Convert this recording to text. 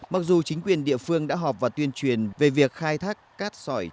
mặc dù chính quyền địa phương đã họp và tuyên truyền về việc khai thác cát sỏi